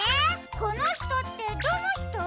このひとってどのひと？